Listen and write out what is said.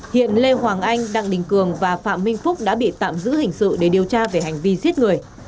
hiện lê hoàng anh đặng đình cường và phạm minh phúc đã bị tạm giữ hình sự để điều tra về hành vi giết người